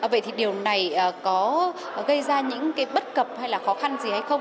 vậy thì điều này có gây ra những cái bất cập hay là khó khăn gì hay không